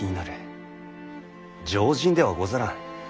常人ではござらん。